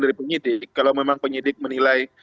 dari penyidik kalau memang penyidik menilai